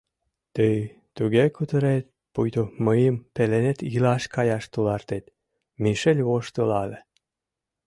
— Тый туге кутырет, пуйто мыйым пеленет илаш каяш тулартет, — Мишель воштылале.